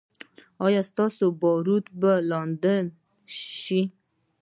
ایا ستاسو باروت به لوند شي؟